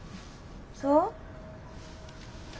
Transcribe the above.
そう？